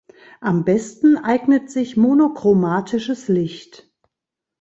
Am besten eignet sich monochromatisches Licht.